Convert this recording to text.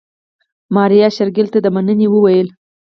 ماريا شېرګل ته د مننې وويل.